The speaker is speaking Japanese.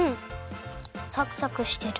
サクサクしてる。